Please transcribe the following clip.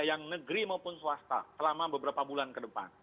yang negeri maupun swasta selama beberapa bulan ke depan